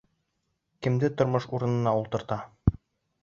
Кемде тормош урынына ултырта?